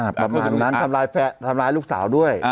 ประมาณนั้นทำร้ายลูกสาวด้วย